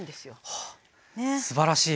はあすばらしい！